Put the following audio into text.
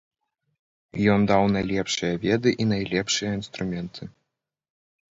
Ён даў найлепшыя веды і найлепшыя інструменты.